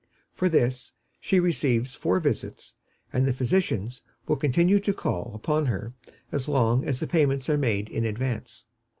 For this she receives four visits, and the physicians will continue to call upon her as long as the payments are made in advance.